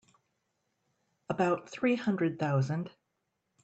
About three hundred thousand.